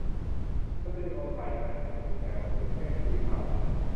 สตูดิโอถ่ายงานอยู่แถวกรุงเทพกรีฑา